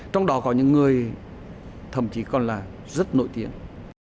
trong đó có những người thậm chí còn là rất nổi tiếng